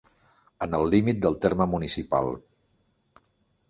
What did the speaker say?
En el límit del terme municipal.